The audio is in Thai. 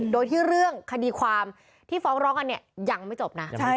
โดยที่เรื่องคดีความที่ฟ้องร้องกันเนี่ยยังไม่จบนะ